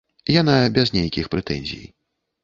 Яна без нейкіх прэтэнзій.